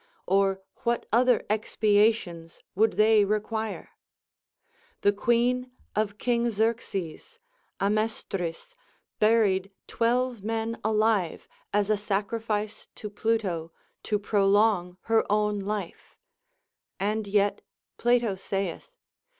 Or what other expiations Avould they require ? The queen of King Xerxes, Amestris, buried twelve men alive, as a sacrifice to Pluto to prolong her own life ; and yet Plato saith.